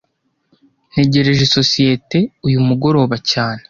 Ntegereje isosiyete uyu mugoroba cyane